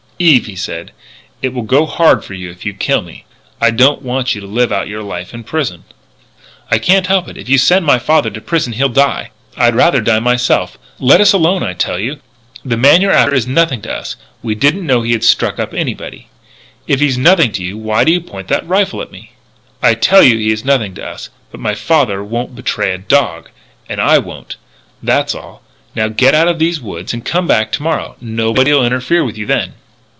"Eve," he said, "it will go hard with you if you kill me. I don't want you to live out your life in prison." "I can't help it. If you send my father to prison he'll die. I'd rather die myself. Let us alone, I tell you! The man you're after is nothing to us. We didn't know he had stuck up anybody!" "If he's nothing to you, why do you point that rifle at me?" "I tell you he is nothing to us. But my father wouldn't betray a dog. And I won't. That's all. Now get out of these woods and come back to morrow. Nobody'll interfere with you then."